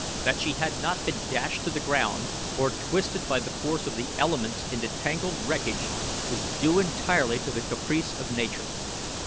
That she had not been dashed to the ground, or twisted by the force of the elements into tangled wreckage, was due entirely to the caprice of Nature.